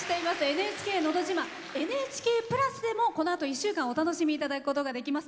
「ＮＨＫのど自慢」「ＮＨＫプラス」でもこのあと１週間お楽しみいただくことができます。